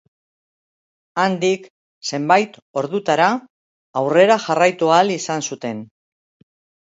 Handik, zenbait ordutara, aurrera jarraitu ahal izan zuten.